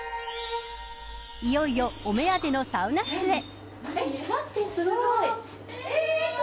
いよいよお目当てのサウナ室へ。